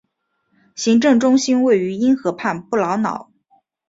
行政中心位于因河畔布劳瑙。